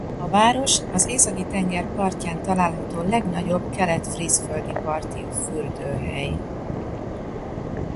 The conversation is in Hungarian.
A város az Északi-tenger partján található legnagyobb kelet-frízföldi parti fürdőhely.